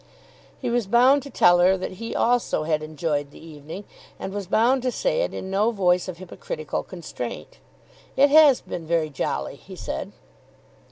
He was bound to tell her that he also had enjoyed the evening, and was bound to say it in no voice of hypocritical constraint. "It has been very jolly," he said.